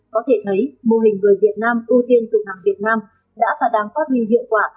có thể thấy mô hình người việt nam ưu tiên dùng hàng việt nam đã và đang phát huy hiệu quả